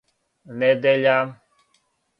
недеља